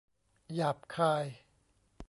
หยาบคาย